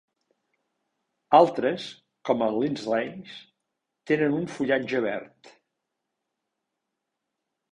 Altres, com el "Lindsayae", tenen un fullatge verd.